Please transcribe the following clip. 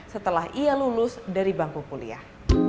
setelah iya lulus dari banku puliah